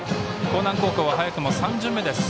興南高校は、早くも３巡目です。